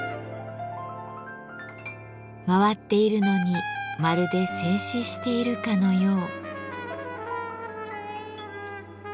回っているのにまるで静止しているかのよう。